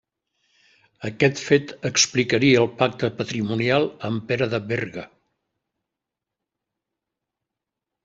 Aquest fet explicaria el pacte patrimonial amb Pere de Berga.